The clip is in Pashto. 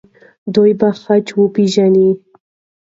دوی به خج وپیژني.